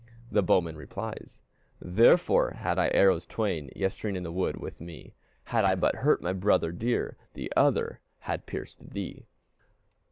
The bowman replies, "Therefore had I arrows twain Yestreen in the wood with me, Had I but hurt my brother dear, The other had piercéd thee."